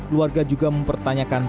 keluarga juga mempertanyakan